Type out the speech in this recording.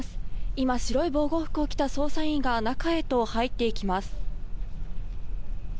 今、白い防護服を着た捜査員が中へと入っていきます。